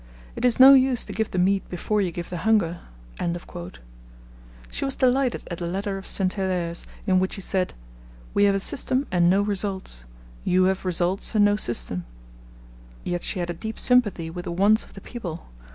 It is no use to give the meat before you give the hunger.' She was delighted at a letter of St. Hilaire's, in which he said, 'We have a system and no results; you have results and no system.' Yet she had a deep sympathy with the wants of the people.